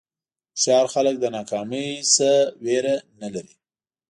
هوښیار خلک د ناکامۍ نه وېره نه لري.